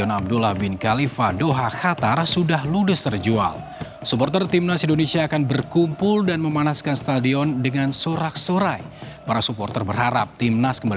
saya pikir mereka adalah tim yang harus kita persiapkan untuk menang